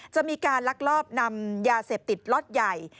จะมีการลักลอบนำยาเสพติดล็อตใหญ่